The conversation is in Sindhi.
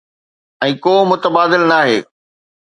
۽ ڪو متبادل ناهي.